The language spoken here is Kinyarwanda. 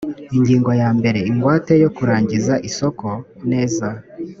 ingingo ya mbere ingwate yo kurangiza isoko neza